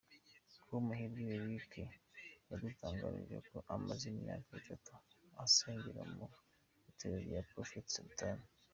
com Muhirwa Eric yadutangarije ko amaze imyaka itatu asengera mu itorero rya Prophet Sultan.